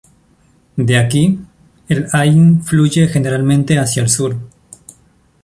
De aquí, el Ain fluye generalmente hacia el sur.